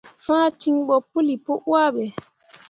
Fãa ciŋ ɓo puli pu wahbe.